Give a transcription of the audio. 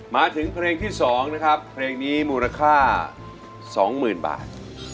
มาถึงเพลงที่๒นะครับเพลงนี้มูลค่า๒๐๐๐บาท